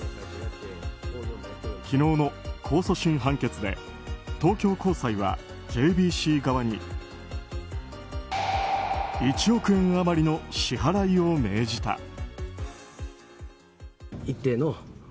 昨日の控訴審判決で東京高裁はＪＢＣ側に１億円余りの支払いを命じた。